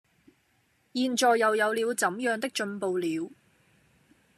現在又有了怎樣的進步了，